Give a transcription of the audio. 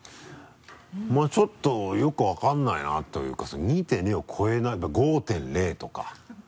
まぁちょっとよく分からないなというか「２．０を超えない」やっぱ５．０とか。